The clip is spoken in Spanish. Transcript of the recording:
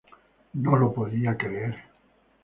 No lo podía creer".